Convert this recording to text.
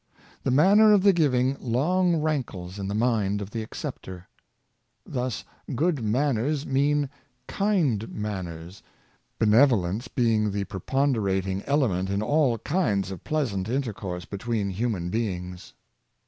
The manner of the giving long rankles in the mind of the acceptor. Thus good man ners mean kind manners, benevolence being the pre ponderating element in all kinds of pleasant intercourse between human beings.